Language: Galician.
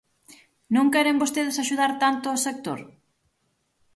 ¿Non queren vostedes axudar tanto o sector?